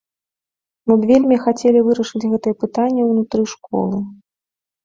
Мы б вельмі хацелі вырашыць гэтае пытанне ўнутры школы.